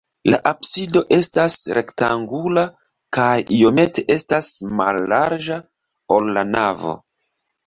La absido estas rektangula kaj iomete estas mallarĝa, ol la navo.